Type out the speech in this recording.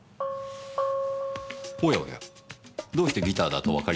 おやおやどうしてギターだとわかりました？